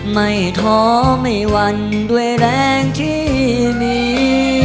ไม่ท้อไม่หวั่นด้วยแรงที่มี